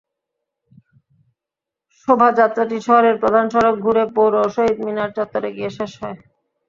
শোভাযাত্রাটি শহরের প্রধান সড়ক ঘুরে পৌর শহীদ মিনার চত্বরে গিয়ে শেষ হয়।